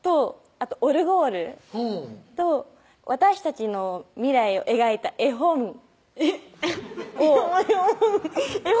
あとオルゴールと私たちの未来を描いた絵本えっ絵本？